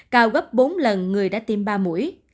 cao gấp bốn lần người đã tiêm ba mũi